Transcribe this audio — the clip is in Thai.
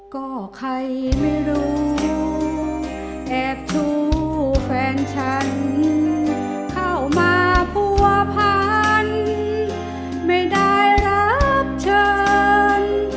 ก็ใครไม่รู้แอบชูแฟนฉันเข้ามาผัวพันไม่ได้รับเชิญ